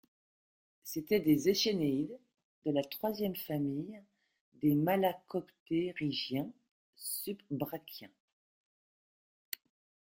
C'étaient des échénéïdes, de la troisième famille des malacoptérygiens subbrachiens.